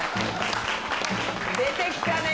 出てきたね。